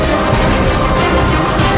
ở nhà của em